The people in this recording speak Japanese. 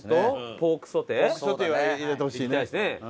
ポークソテーは入れてほしいね。